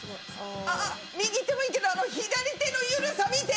あっ、右手もいいけど、左手の緩さ見て！